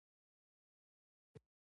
انا د ټول عمر خاطره ده